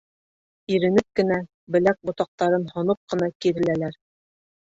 Иренеп кенә, беләк-ботаҡтарын һоноп ҡына киреләләр.